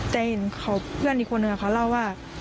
แต่เห็นเขาเพื่อนอีกคนนึงเขาเล่าว่า